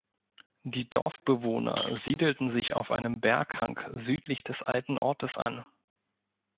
Die Dorfbewohner siedelten sich auf einem Berghang südlich des alten Ortes an.